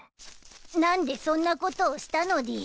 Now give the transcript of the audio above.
何でそんなことをしたのでぃす。